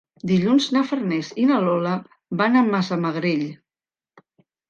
Dilluns na Farners i na Lola van a Massamagrell.